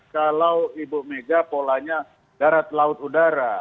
kalau ibu mega polanya darat laut udara